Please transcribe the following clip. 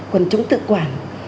quần chống tự quản